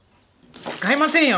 使いませんよ